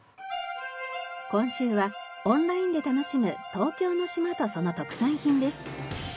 今週はオンラインで楽しむ東京の島とその特産品です。